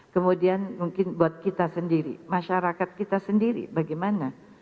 kemudian mungkin buat kita sendiri masyarakat kita sendiri bagaimana